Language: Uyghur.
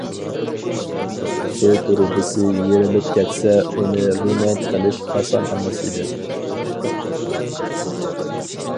سۇ تۇرۇبىسى يېرىلىپ كەتسە، ئۇنى رېمونت قىلىش ئاسان ئەمەس ئىدى.